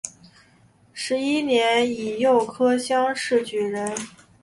十一年乙酉科乡试举人。